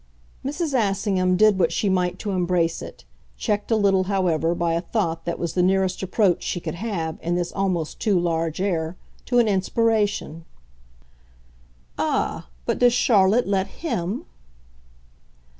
Mrs. Assingham did what she might to embrace it checked a little, however, by a thought that was the nearest approach she could have, in this almost too large air, to an inspiration. "Ah, but does Charlotte let HIM?"